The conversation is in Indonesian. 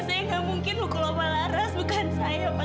saya gak mungkin bukul opah laras bukan saya pak